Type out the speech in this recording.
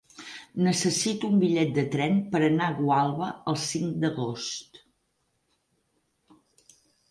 Necessito un bitllet de tren per anar a Gualba el cinc d'agost.